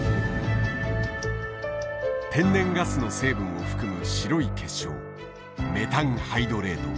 天然ガスの成分を含む白い結晶メタンハイドレート。